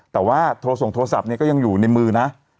แต่ว่าโทรส่งโทรศัพท์เนี่ยก็ยังอยู่ในมือนะ